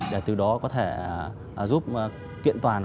để từ đó có thể giúp kiện toàn